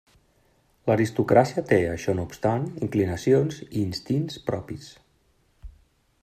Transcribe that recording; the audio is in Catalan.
L'aristocràcia té, això no obstant, inclinacions i instints propis.